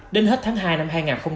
đến hết tháng hai năm hai nghìn hai mươi